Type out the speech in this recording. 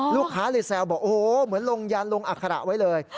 ลูกค้าเลยแซวบอกโอ้โหเหมือนลงยานลงอัคระไว้เลย